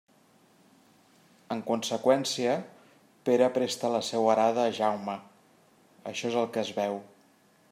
En conseqüència, Pere presta la seua arada a Jaume: això és el que es veu.